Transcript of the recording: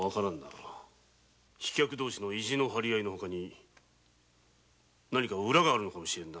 飛脚どうしの意地の張り合いの外に裏があるのかも知れん。